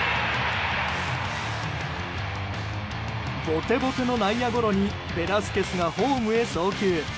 ぼてぼての内野ゴロにベラスケスがホームへ送球。